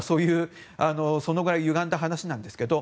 そのぐらいゆがんだ話なんですけど。